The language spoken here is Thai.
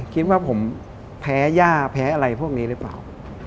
คิดว่าผมแพ้ย่าแพ้อะไรพวกนี้หรือเปล่า